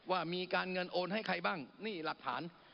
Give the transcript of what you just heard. ว่ามีการเงินโอนให้ใครบ้างนี่หลักฐาน